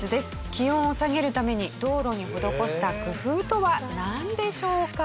気温を下げるために道路に施した工夫とはなんでしょうか？